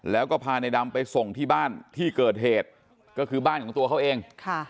แล้วก็พาในดำไปส่งที่บ้านที่เกิดเหตุก็คือบ้านของตัวเขาเอง